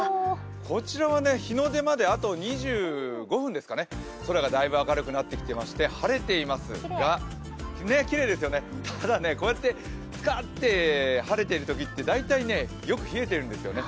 こちらは日の出まであと２５分ですかね、空が大分明るくなってきまして晴れていますが、ただ、こうやってスカって晴れているときって大体よく冷えてるんですね。